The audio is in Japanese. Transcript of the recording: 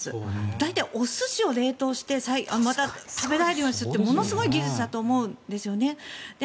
大体、お寿司を冷凍してまた食べられるようにするってものすごい技術だと思うんですよね。